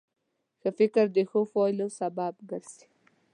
ښه فکر د ښو پایلو سبب ګرځي.